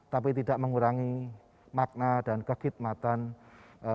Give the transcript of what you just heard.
tapi tidak mengurangi makna dan kekhidmatan